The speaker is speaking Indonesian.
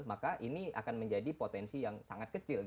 maka ini akan menjadi potensi yang sangat kecil